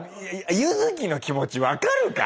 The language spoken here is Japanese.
ユヅキの気持ち分かるか？